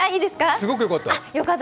すごくよかった。